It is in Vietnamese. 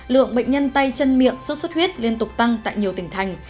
lượng bệnh nhân tay chân miệng suốt suốt huyết liên tục tăng tại nhiều tỉnh thành